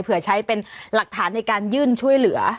เผื่อใช้เป็นหลักฐานในการยื่นช่วยเหลือ